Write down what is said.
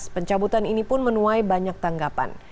pencabutan ini pun menuai banyak tanggapan